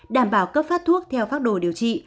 đảm bảo cấp phát thuốc theo phác đồ điều trị